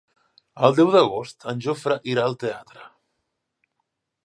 El deu d'agost en Jofre irà al teatre.